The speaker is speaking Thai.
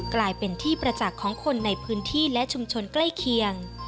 กลายเป็นที่ประจักษ์ของคนในพื้นที่และชุมชนใกล้เคียง